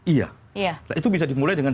iya iya itu bisa dimulai dengan